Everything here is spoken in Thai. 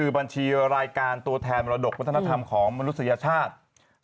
บัญชีรายการตัวแทนมรดกวัฒนธรรมของมนุษยชาติ